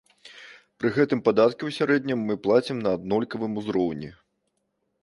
Пры гэтым падаткі ў сярэднім мы плацім на аднолькавым ўзроўні.